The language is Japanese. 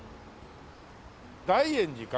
「大圓寺」か？